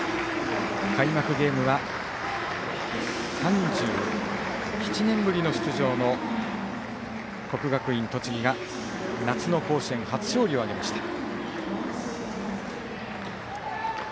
開幕ゲームは３７年ぶりの出場の国学院栃木が夏の甲子園初勝利を挙げました。